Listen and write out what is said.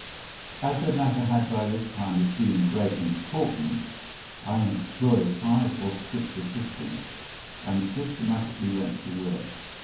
As the matter had by this time assumed great importance, I employed five or six assistants, and systematically went to work.